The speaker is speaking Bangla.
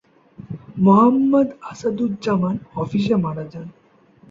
মোহাম্মদ আসাদুজ্জামান অফিসে মারা যান।